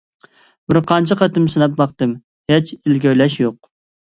بىر قانچە قېتىم سىناپ باقتىم، ھېچ ئىلگىرىلەش يوق!